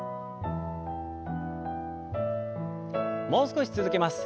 もう少し続けます。